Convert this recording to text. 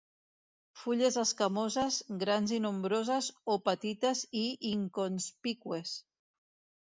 Fulles escamoses, grans i nombroses o petites i inconspícues.